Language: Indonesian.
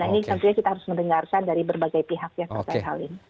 nah ini tentunya kita harus mendengarkan dari berbagai pihak yang terkait hal ini